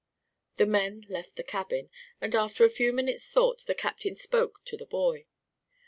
The men left the cabin, and after a few minutes' thought the captain spoke to the boy.